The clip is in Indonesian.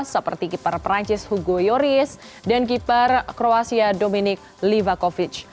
seperti keeper perancis hugo yoris dan keeper kroasia dominic livacovidge